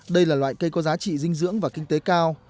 đây là loại cây có giá trị dinh dưỡng và kinh tế cao